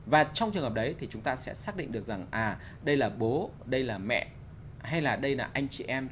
và trong trường hợp đấy thì chúng ta sẽ xác định được rằng đây là bố đây là mẹ hay là đây là anh chị em